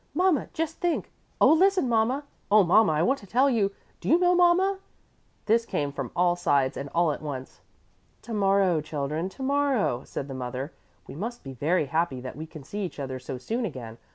"Mama, just think " "Oh, listen, mama!" "Oh, mama, I want to tell you " "Do you know, mama?" This came from all sides and all at once. "To morrow, children, to morrow," said the mother. "We must be very happy that we can see each other so soon again.